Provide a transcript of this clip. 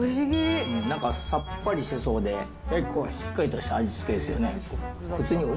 なんかさっぱりしてそうで、結構、しっかりとした味付けですよね。